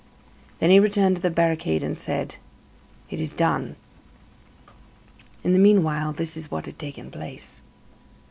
Then he returned to the barricade and said: "It is done." In the meanwhile, this is what had taken place.